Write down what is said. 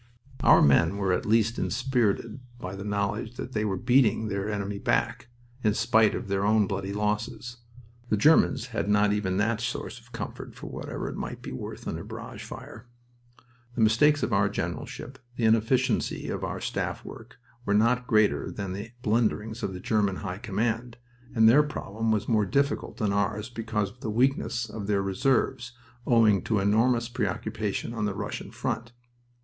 Our men were at least inspirited by the knowledge that they were beating their enemy back, in spite of their own bloody losses. The Germans had not even that source of comfort, for whatever it might be worth under barrage fire. The mistakes of our generalship, the inefficiency of our staff work, were not greater than the blunderings of the German High Command, and their problem was more difficult than ours because of the weakness of their reserves, owing to enormous preoccupation on the Russian front.